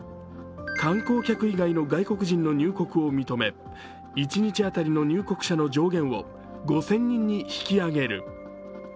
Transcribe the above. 観光客以外の外国人の入国を認め一日当たりの入国者の上限を５０００人に引き上げる。